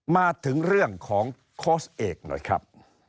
มาถึงเรื่องของโค้ชเอกหน่อยครับ